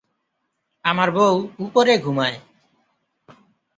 আমার বউ উপরে ঘুমায়।